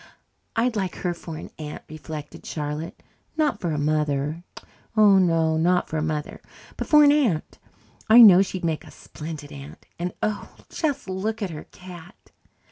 I'd like her for an aunt, reflected Charlotte. Not for a mother oh, no, not for a mother, but for an aunt. I know she'd make a splendid aunt. And, oh, just look at her cat!